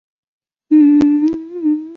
孔布龙德。